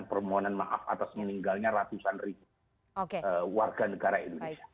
permohonan maaf atas meninggalnya ratusan ribu warga negara indonesia